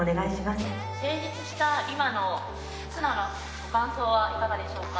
成立した今の素直なご感想はいかがでしょうか？